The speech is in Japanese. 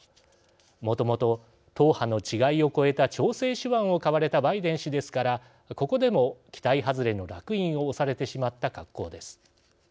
もともと党派の違いを超えた調整手腕をかわれたバイデン氏ですからここでも期待外れのらく印を押されてしまった格好です。